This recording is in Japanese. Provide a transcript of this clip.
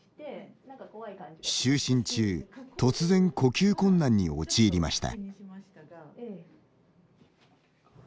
就寝中、突然呼吸困難に陥りました。